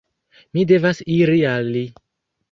Mi devas iri al li!